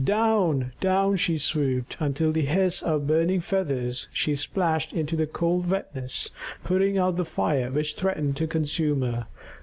Down, down she swooped, until with the hiss of burning feathers she splashed into the cold wetness, putting out the fire which threatened to consume her.